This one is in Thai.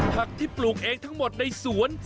ผักที่ปลูกเองทั้งหมดในสวน